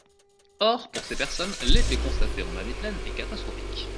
Or, pour ces personnes, l’effet constaté en année pleine est catastrophique.